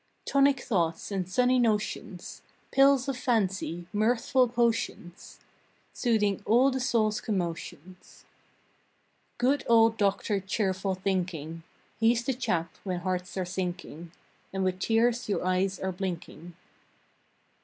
Tonic Thoughts and Sunny Notions, Pills of Fancy, Mirthful Potions, Soothing all the Soul s commotions Good old Doctor Cheerful Thinking! He s the chap when Hearts are sinking, And with tears your eyes are blinking.